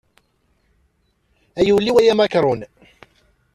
Ay ul-iw ay amakrun.